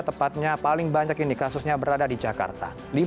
tepatnya paling banyak ini kasusnya berada di jakarta